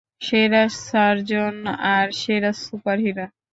সেরা সার্জন আর সেরা সুপারহিরো।